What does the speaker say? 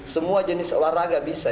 semua jenis olahraga bisa